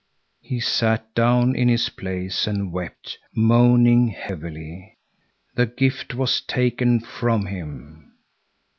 He sat down in his place and wept, moaning heavily. The gift was taken from him.